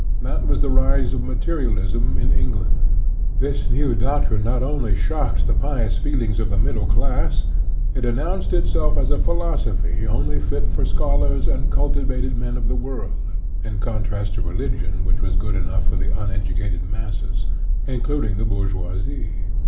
That was the rise of materialism in England. This new doctrine not only shocked the pious feelings of the middle class; it an nounced itself as a philosophy only fit for schol ars and cultivated men of the world, in contrast to religion which was good enough for the un educated masses, including the bourgeoisie.